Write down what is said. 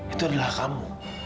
itu adalah kamu